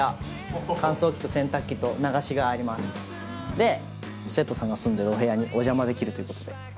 で生徒さんが住んでるお部屋にお邪魔できるということで。